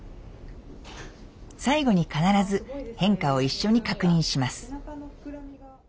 最後に必ず変化を一緒に確認します。